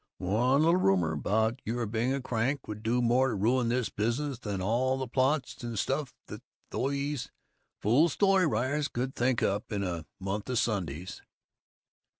One little rumor about your being a crank would do more to ruin this business than all the plots and stuff that these fool story writers could think up in a month of Sundays."